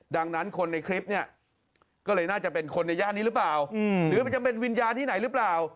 ดังนั้นคนในคลิปเนี่ยก็เลยน่าจะเป็นคนในย่านนี้หรือเปล่าหรือมันจะเป็นวิญญาณที่ไหนหรือเปล่า